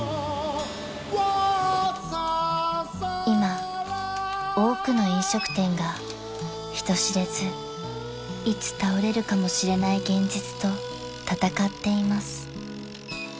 ［今多くの飲食店が人知れずいつ倒れるかもしれない現実と闘っています］